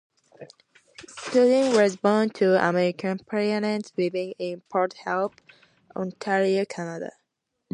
Sims was born to American parents living in Port Hope, Ontario, Canada.